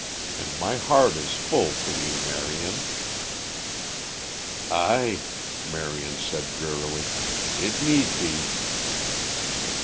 And my heart is full for you, Marion." "Ay," Marion said drearily. "It need be."